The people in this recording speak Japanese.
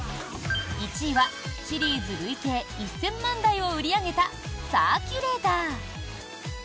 １位はシリーズ累計１０００万台を売り上げたサーキュレーター。